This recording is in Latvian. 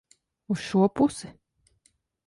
Uz šo pusi?